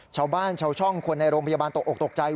ชาวบ้านชาวช่องคนในโรงพยาบาลตกออกตกใจ